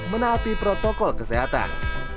menaati protokol kesehatan